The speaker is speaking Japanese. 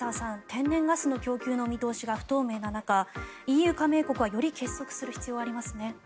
天然ガスの供給の見通しが不透明な中、ＥＵ加盟国はより結束する必要がありますね。